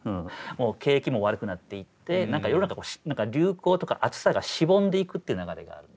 景気も悪くなっていって何か世の中流行とか熱さがしぼんでいくっていう流れがあるんですね。